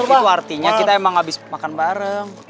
itu artinya kita emang habis makan bareng